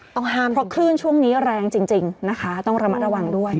ห้ามเพราะคลื่นช่วงนี้แรงจริงนะคะต้องระมัดระวังด้วย